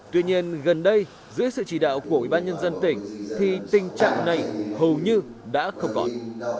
tuy nhiên gần đây dưới sự chỉ đạo của ubnd tỉnh thì tình trạng này hầu như đã không còn